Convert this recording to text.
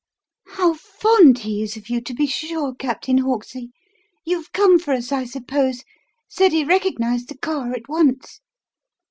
"How fond he is of you to be sure, Captain Hawksley. You've come for us, I suppose? Ceddie recognised the car at once."